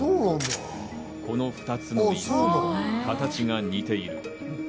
この２つの椅子、形が似ている。